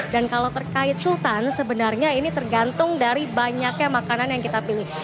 dan kalau terkait sultan sebenarnya ini tergantung dari banyaknya makanan yang kita pilih